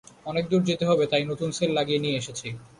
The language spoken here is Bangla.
অনেকদূর যেতে হবে তাই নতুন সেল লাগিয়ে নিয়ে এসেছি।